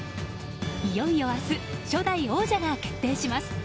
いよいよ明日初代王者が決定します。